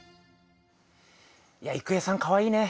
いや郁恵さんかわいいね。